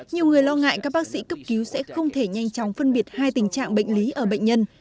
nhiều người lo ngại các bác sĩ cấp cứu sẽ không thể nhanh chóng phân biệt hai tình trạng bệnh lý ở bệnh nhân